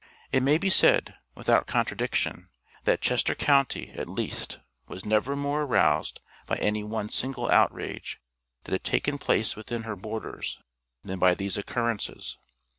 It may be said, without contradiction, that Chester county, at least, was never more aroused by any one single outrage that had taken place within her borders, than by these occurrences.